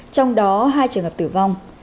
trong đó hai trường hợp tử vong